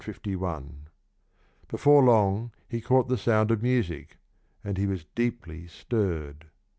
35 1) Before long he caught the sound of music, and he was deeply stirred.